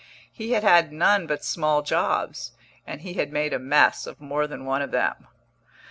He had had none but small jobs, and he had made a mess of more than one of them.